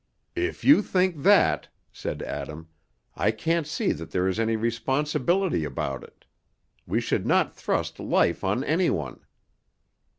"If you think that," said Adam, "I can't see that there is any responsibility about it. We should not thrust life on any one."